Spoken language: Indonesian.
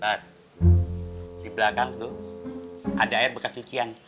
bar di belakang lo ada air bekas uci yang